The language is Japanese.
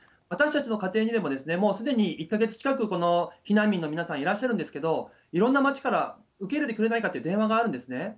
私たちの家庭にでも、もうすでに１か月近く避難民の皆さん、いらっしゃるんですけど、いろんな町から受け入れてくれないかって電話があるんですね。